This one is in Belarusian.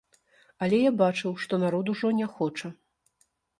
Але я бачыў, што народ ужо не хоча.